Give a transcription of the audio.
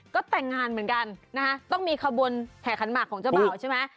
ก็แต่งงานเหมือนกันต้องมีขบุญแขนหมักของเจ้าเบาใช่ไหม